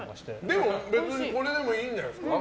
でもこれでもいいんじゃないですか。